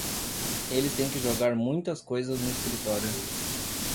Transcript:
Eles têm que jogar muitas coisas no escritório